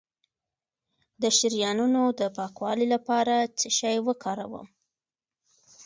د شریانونو د پاکوالي لپاره څه شی وکاروم؟